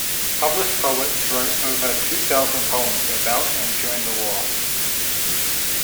Published poets wrote over two thousand poems about and during the war.